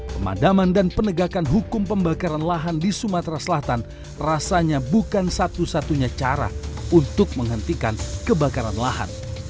pemadaman dan penegakan hukum pembakaran lahan di sumatera selatan rasanya bukan satu satunya cara untuk menghentikan kebakaran lahan